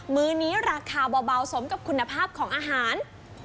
มือนี้ราคาเบาสมกับคุณภาพของอาหาร